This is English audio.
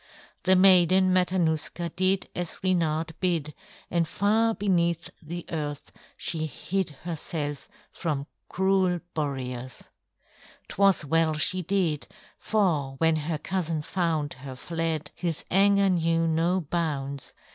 The Maiden Matanuska did as Reynard bid, and far beneath the earth she hid herself from cruel Boreas. 'Twas well she did, for when her cousin found her fled, his anger knew no bounds.